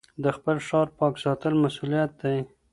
د خپل ښار پاک ساتل مسؤلیت دی.